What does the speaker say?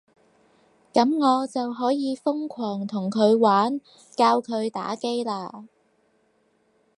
噉我就可以瘋狂同佢玩，教佢打機喇